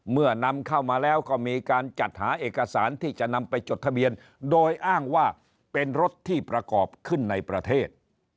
นำเข้ามาแล้วก็มีการจัดหาเอกสารที่จะนำไปจดทะเบียนโดยอ้างว่าเป็นรถที่ประกอบขึ้นในประเทศ